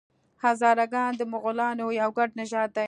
هزاره ګان د مغولانو یو ګډ نژاد دی.